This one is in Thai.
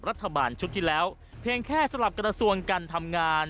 รัฐบาลชุดที่แล้วเพียงแค่สลับกระทรวงการทำงาน